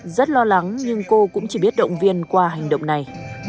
rất lo lắng nhưng cô cũng chỉ biết động viên qua hành động này